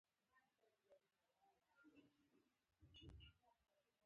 د مخ د پوستکي د ګډوډۍ لپاره د مستو ماسک وکاروئ